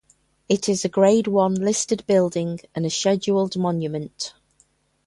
It is a Grade One listed building and a scheduled monument.